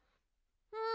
うん。